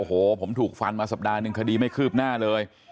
โอ้โหผมถูกฟันมาสัปดาห์หนึ่งคดีไม่คืบหน้าเลย